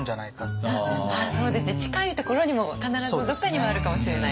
そうですね近いところにも必ずどっかにはあるかもしれない。